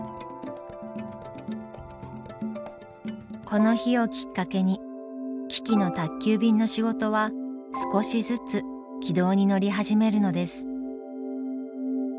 この日をきっかけにキキの宅急便の仕事は少しずつ軌道に乗り始めるのです。